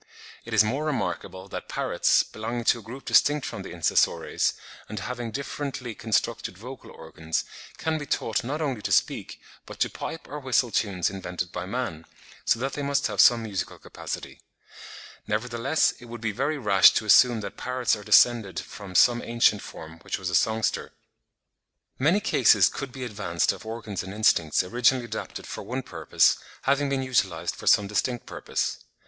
It is more remarkable that parrots, belonging to a group distinct from the Insessores, and having differently constructed vocal organs, can be taught not only to speak, but to pipe or whistle tunes invented by man, so that they must have some musical capacity. Nevertheless it would be very rash to assume that parrots are descended from some ancient form which was a songster. Many cases could be advanced of organs and instincts originally adapted for one purpose, having been utilised for some distinct purpose. (36.